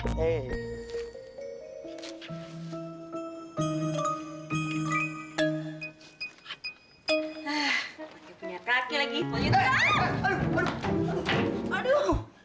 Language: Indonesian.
aduh apaan gue